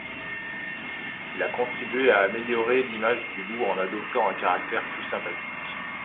Il a contribué à améliorer l'image du loup en adoptant un caractère plus sympathique.